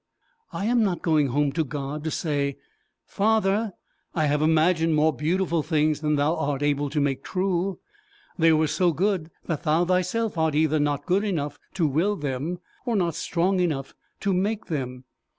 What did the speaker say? I am not going home to God to say "Father, I have imagined more beautiful things than thou art able to make true! They were so good that thou thyself art either not good enough to will them, or not strong enough to make them.